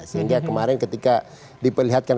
sehingga kemarin ketika diperlihatkan